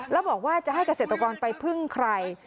แล้วบอกว่าจะให้เกษตรกรไปพึ่งใคร